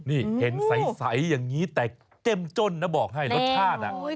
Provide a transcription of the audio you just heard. นี่เห็นใสอย่างนี้แต่เจ้มจ้นนะบอกให้รสชาติ